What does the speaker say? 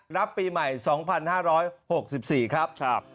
รับปีใหม่๒๕๖๔ครับ